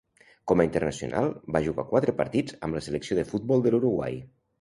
Com a internacional, va jugar quatre partits amb la selecció de futbol de l'Uruguai.